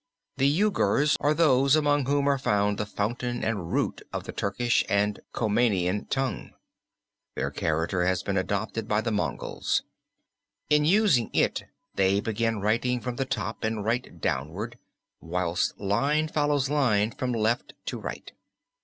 The Yugurs are those among whom are found the fountain and root of the Turkish and Comanian tongue. Their character has been adopted by the Moghals. In using it they begin writing from the top and write downwards, whilst line follows line from left to right.